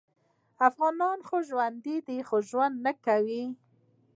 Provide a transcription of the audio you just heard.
افغانان ژوندي دې خو ژوند نکوي